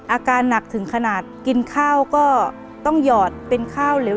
อาการหนักถึงขนาดกินข้าวก็ต้องหยอดเป็นข้าวเหลว